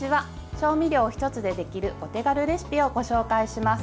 調味料１つでできるお手軽レシピをご紹介します。